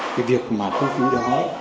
cái việc mà thu phí đó